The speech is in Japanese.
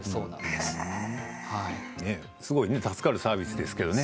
すごい助かるサービスですけどね。